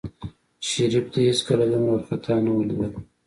شريف دى هېڅکله دومره وارخطا نه و ليدلى.